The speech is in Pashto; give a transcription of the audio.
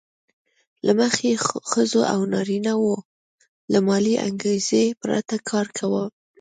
له مخې یې ښځو او نارینه وو له مالي انګېزې پرته کار کاوه